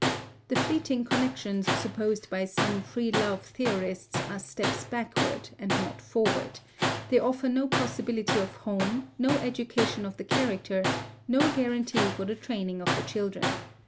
The fleeting connections supposed by some Free Love theorists are steps backward and not forward; they offer no possibility of home, no education of the character, no guarantee for the training of the children.